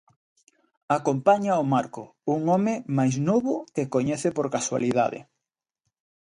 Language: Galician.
Acompáñao Marco, un home máis novo que coñece por casualidade.